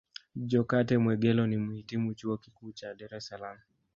Jokate Mwegelo ni Mhitimu Chuo Kikuu cha Dar Es Salaam